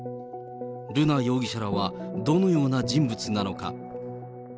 瑠奈容疑者らはどのような人物なのか。